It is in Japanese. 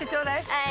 はい。